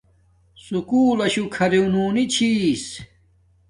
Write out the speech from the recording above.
سکُول لشو کھری نونی چھس